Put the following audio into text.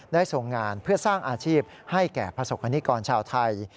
ทรงงานเพื่อสร้างอาชีพให้แก่ประสบคณิกรชาวไทย